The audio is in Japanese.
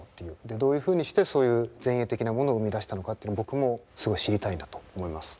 どういうふうにしてそういう前衛的なものを生み出したのかっていうのを僕もすごい知りたいなと思います。